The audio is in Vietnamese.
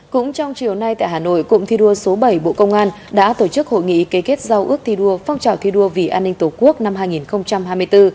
cũng trong chiều nay tại hà nội cụm thi đua số bảy bộ công an đã tổ chức hội nghị kế kết giao ước thi đua phong trào thi đua vì an ninh tổ quốc năm hai nghìn hai mươi bốn